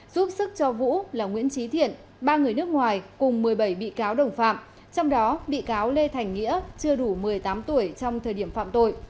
giúp sức cho vũ là nguyễn trí thiện ba người nước ngoài cùng một mươi bảy bị cáo đồng phạm trong đó bị cáo lê thành nghĩa chưa đủ một mươi tám tuổi trong thời điểm phạm tội